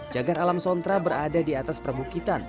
jagar alam sontra berada di atas perbukitan